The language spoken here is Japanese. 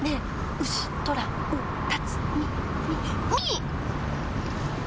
うしとらうたつみみい！